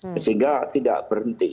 sehingga tidak berhenti